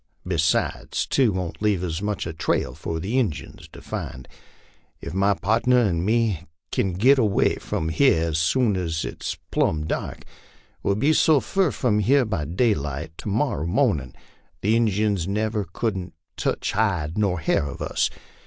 Besides, two won't leave as much of a trail for the Injuns to find. If my pard ner an' me kin git away from here as soon as it is plum dark, we'll be so fur from here by daylight to morrer niornin' the Injuns never couldn't tetch hide nor bar of us.